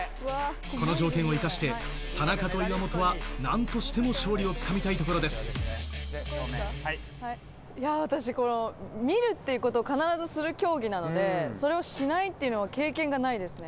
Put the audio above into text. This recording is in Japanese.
この条件を生かして、田中と岩本はなんとしても勝利をつかみたいいやー、私、見るっていうことを必ずする競技なので、それをしないっていうのは経験がないですね。